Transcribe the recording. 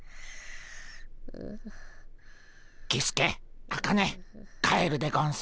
キスケアカネ帰るでゴンス。